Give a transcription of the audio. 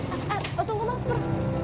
eh eh oh tunggu mas pur